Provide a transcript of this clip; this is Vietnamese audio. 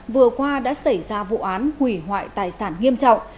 vừa qua đã xảy ra vụ án hủy hoại tài sản nghiêm trọng